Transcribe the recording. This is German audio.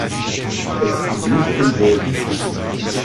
Es ging nicht in Serie.